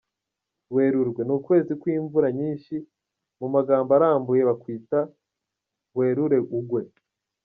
Werurwe : Ni ukwezi kw’imvura nyinshi, mu magambo arambuye bakwita “Werure ugwe”.